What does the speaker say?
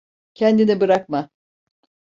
Kendini bırakma.